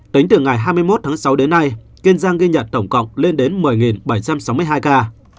tính từ ngày hai mươi một tháng sáu đến nay kiên giang ghi nhận tổng cộng lên đến một mươi bảy trăm sáu mươi hai ca